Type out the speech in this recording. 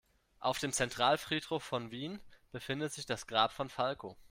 Auf dem Zentralfriedhof von Wien befindet sich das Grab von Falco.